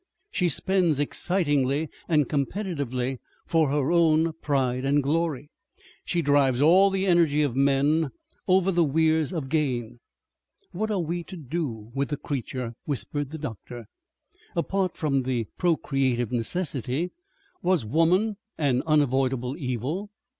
She spends excitingly and competitively for her own pride and glory, she drives all the energy of men over the weirs of gain.... "What are we to do with the creature?" whispered the doctor. Apart from the procreative necessity, was woman an unavoidable evil?